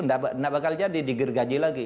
tidak bakal jadi digergaji lagi